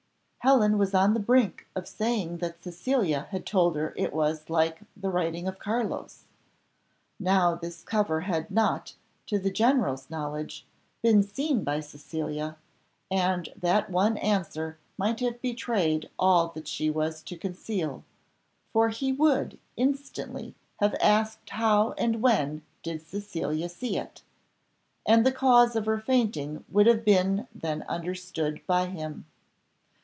Helen was on the brink of saying that Cecilia had told her it was like the writing of Carlos. Now this cover had not, to the general's knowledge, been seen by Cecilia, and that one answer might have betrayed all that she was to conceal, for he would instantly have asked how and when did Cecilia see it, and the cause of her fainting would have been then understood by him.